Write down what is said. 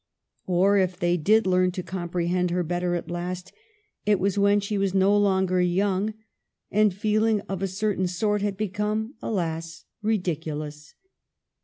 Or, if they did learn to comprehend her better at last, it was when she was no longer young, and feeling of a certain sort had become, alas ! ridiculous.